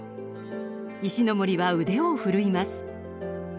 石森は腕を振るいます。